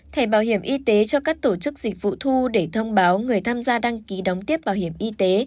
thẻ bảo hiểm y tế cho các tổ chức dịch vụ thu để thông báo người tham gia đăng ký đóng tiếp bảo hiểm y tế